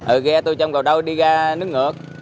ở ghe tôi trong cầu đô đi ra nước ngược